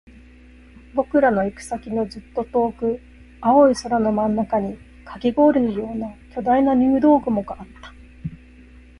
僕らの行く先のずっと遠く、青い空の真ん中にカキ氷のような巨大な入道雲があった